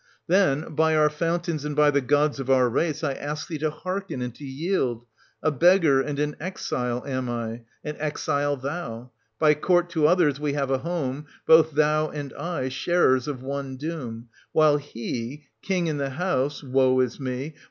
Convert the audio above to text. Then, by our fountains and by the gods of our race, I ask thee to hearken and to yield ; a beggar and an exile am I, an exile thou ; by court to others we have a home, both thou and I, sharers of one doom ; while he, king in the house — woe is me